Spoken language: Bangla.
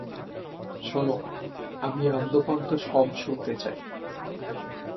শোনো, আমি আদ্যপান্ত সব শুনতে চাই।